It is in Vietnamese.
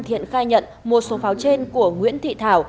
thiện khai nhận một số pháo trên của nguyễn thị thảo